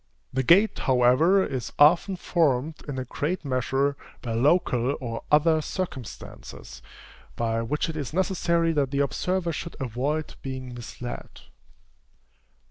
The gait, however, is often formed, in a great measure, by local or other circumstances, by which it is necessary that the observer should avoid being misled.